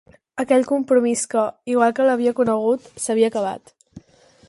Aquell compromís que, igual que l’havia conegut, s’havia acabat.